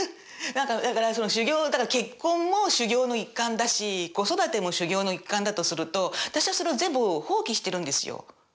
だから修行結婚も修行の一環だし子育ても修行の一環だとすると私はそれを全部放棄してるんですよ。